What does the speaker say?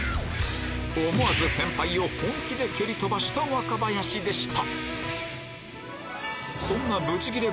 思わず先輩を本気で蹴り飛ばした若林でした